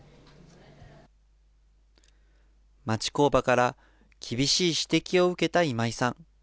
町工場から厳しい指摘を受けた今井さん。